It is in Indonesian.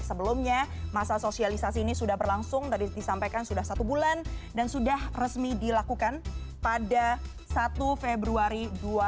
sebelumnya masa sosialisasi ini sudah berlangsung tadi disampaikan sudah satu bulan dan sudah resmi dilakukan pada satu februari dua ribu dua puluh